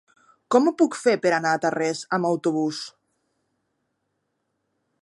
Com ho puc fer per anar a Tarrés amb autobús?